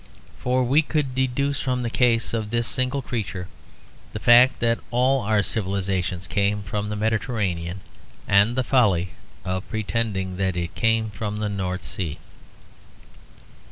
For we could deduce from the case of this single creature the fact that all our civilisation came from the Mediterranean, and the folly of pretending that it came from the North Sea.